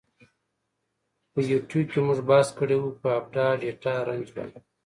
په یوټیو کی مونږ بحث کړی وه په آپډا ډیټا رنج باندی.